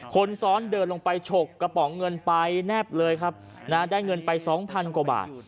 คนซ้อนเดินลงไปฉกกระป๋องเงินไปแนบเลยครับได้เงินไปสองพันกว่าบาท